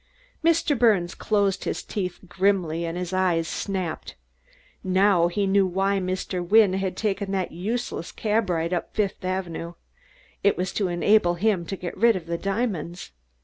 Mr. Birnes closed his teeth grimly and his eyes snapped. Now he knew why Mr. Wynne had taken that useless cab ride up Fifth Avenue. It was to enable him to get rid of the diamonds!